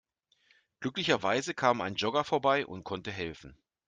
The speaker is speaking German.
Glücklicherweise kam ein Jogger vorbei und konnte helfen.